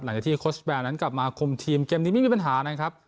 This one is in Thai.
หลังจากที่โค้ชแบนนั้นกลับมาคุมทีมเกมนี้ไม่มีปัญหานะครับ